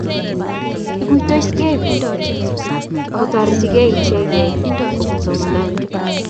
Iguitoskei bik ako toretkei ichegei kobun somanani